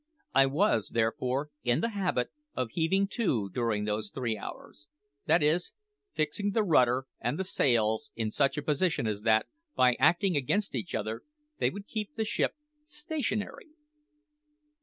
I was, therefore, in the habit of heaving to during those three hours that is, fixing the rudder and the sails in such a position as that, by acting against each other, they would keep the ship stationary.